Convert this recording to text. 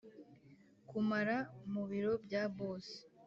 kumara mubiro bya boss.